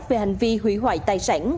về hành vi hủy hoại tài sản